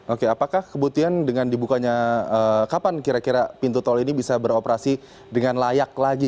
oke apakah kemudian dengan dibukanya kapan kira kira pintu tol ini bisa beroperasi dengan layak lagi